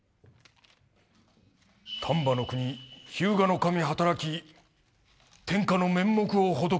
「丹波国日向守働き天下の面目をほどこし候。